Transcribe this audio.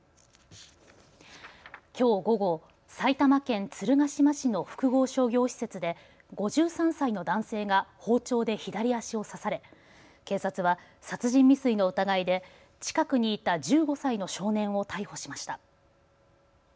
きょう午後、埼玉県鶴ヶ島市の複合商業施設で５３歳の男性が包丁で左足を刺され警察は殺人未遂の疑いで近くにいた１５歳の少年を逮捕しました。